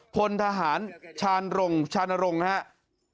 คนทหารชาญรงค์ชาญรงค์ครับ